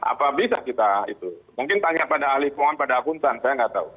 apa bisa kita itu mungkin tanya pada ahli mohon pada akuntan saya nggak tahu